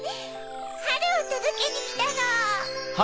はるをとどけにきたの。